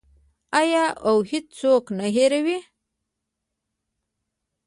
آیا او هیڅوک نه هیروي؟